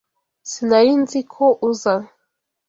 Sinari nzi ko uza.